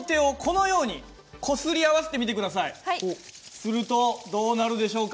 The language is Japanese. するとどうなるでしょうか？